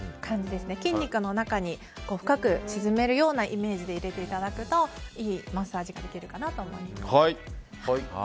筋肉の中に深く沈めるようなイメージで入れるといいマッサージができると思います。